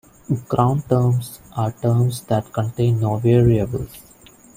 Ground terms are terms that contain no variables.